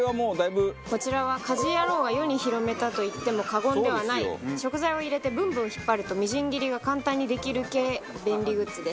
こちらは『家事ヤロウ！！！』が世に広めたと言っても過言ではない食材を入れてブンブン引っ張るとみじん切りが簡単にできる系便利グッズです。